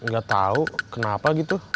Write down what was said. gak tau kenapa gitu